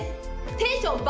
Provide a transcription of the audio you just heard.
テンション爆